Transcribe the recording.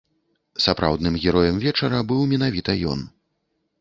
Сапраўдным героем вечара быў менавіта ён.